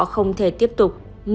không thể tiếp tục